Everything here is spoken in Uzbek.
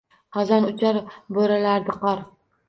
Xazon uchar, boʻralardi qor.